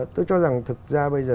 tôi cho rằng thực ra bây giờ